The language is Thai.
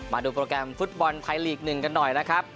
มาดูโปรแกรมฟุตบอลไทยลีก๑กันหน่อยนะครับ